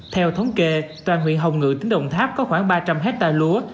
theo thống kê toàn huyện hồng ngự tỉnh đồng tháp có khoảng ba trăm linh hectare lúa